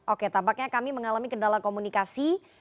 oke tampaknya kami mengalami kendala komunikasi